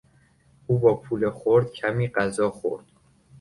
او با پول خرد کمی غذا خورد.